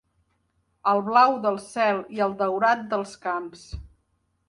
El blau del cel i el daurat dels camps.